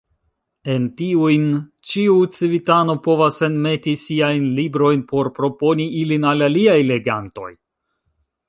En tiujn ĉiu civitano povas enmeti siajn librojn por proponi ilin al aliaj legantoj.